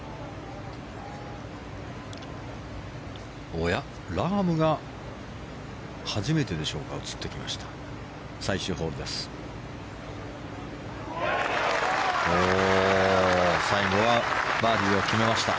おや、ラームが初めてでしょうか映ってきました。